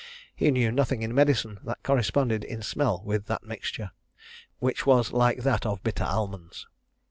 He knew nothing in medicine that corresponded in smell with that mixture, which was like that of bitter almonds.